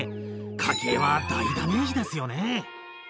家計は大ダメージですよね。